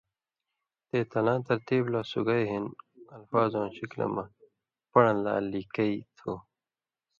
تے تلاں ترتیب لا سگائ ہِن الفاظواں شکلہ مہ پن٘ڑہ لا لیکیۡ ُتھو۔